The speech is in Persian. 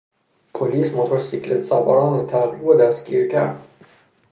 پلیس موتور سیکلت سواران را تعقیب و دستگیر کرد.